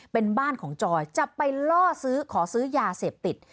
เป็นบ้านของจอยจะไปล่อซื้อขอซื้อยาเสพติด